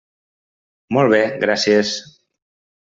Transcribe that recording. Molt bé, gràcies.